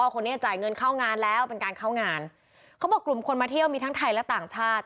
คนนี้จ่ายเงินเข้างานแล้วเป็นการเข้างานเขาบอกกลุ่มคนมาเที่ยวมีทั้งไทยและต่างชาติ